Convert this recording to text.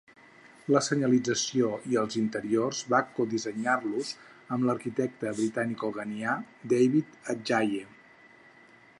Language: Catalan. La senyalització i els interiors va codissenyar-los amb l'arquitecte britano-ganià David Adjaye.